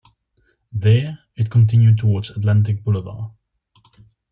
There, it continued towards Atlantic Boulevard.